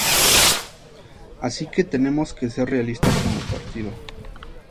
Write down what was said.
Así que tenemos que ser realistas como partido".